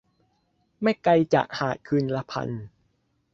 ไม่ไกลจากหาดคืนละพัน